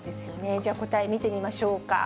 じゃあ、答え見てみましょうか。